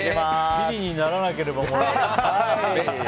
ビリにならなければもらえる。